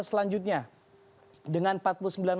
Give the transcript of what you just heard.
selanjutnya dengan empat puluh sembilan